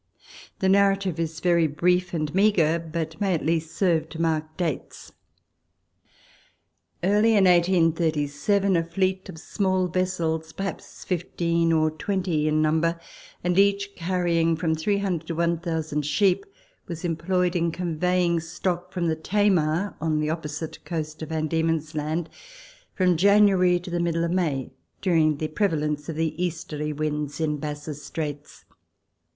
The narrative is very brief and meagre, but may at least serve to mark dates. 88 Letters from Victorian Pioneers. Early in 1837 a fleet of small vessels, perhaps fifteen or twenty in number, and each carrying from 300 to 1,000 sheep, was employed in conveying stock from the Tamar on the opposite coast of Van Diemen's Land, from January to the middle of May, during the prevalence of the easterly winds in Bass's Straits.